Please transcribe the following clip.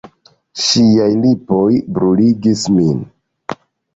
Ŝiaj lipoj bruligis min.